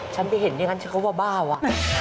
ฉันไปเห็นด้วยกันเขาว่าบ้าวะ